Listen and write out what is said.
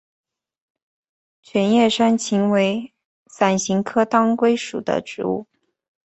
全叶山芹为伞形科当归属的植物。